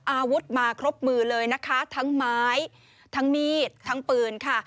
อาวุธมาครบมือเลยนะคะทั้งไม้ทั้งมีดทั้งปืนค่ะ